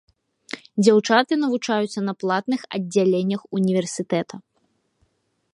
Дзяўчаты навучаюцца на платных аддзяленнях універсітэта.